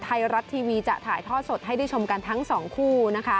ไทยรัดทีวีจะถ่ายทอดสดให้ดิชมกันทั้ง๒คู่